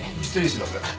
失礼します。